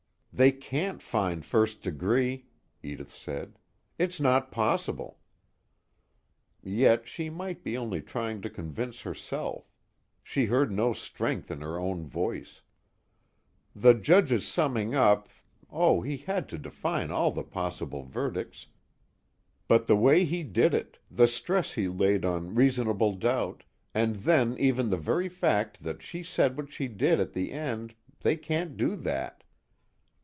"They can't find first degree," Edith said. "It's not possible." Yet she might be only trying to convince herself; she heard no strength in her own voice. "The Judge's summing up oh, he had to define all the possible verdicts, but the way he did it, the stress he laid on reasonable doubt and then even the very fact that she said what she did, at the end they can't do that."